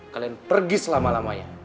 kalian pergi selama lamanya